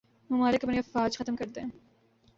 ممالک اپنی افواج ختم کر دیں